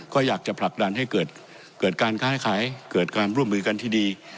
ก็อยากจะผลักดันให้เกิดการค้าขายเกิดความร่วมมือกันที่ดี